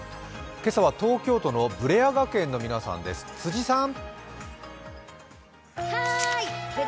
今朝は東京都のブレア学園の皆さんです、辻さん。